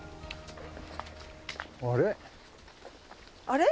あれ？